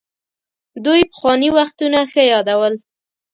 دوی پخواني وختونه ښه يادول.